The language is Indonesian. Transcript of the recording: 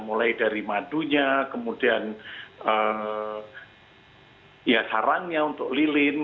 mulai dari madunya kemudian ya sarangnya untuk lilin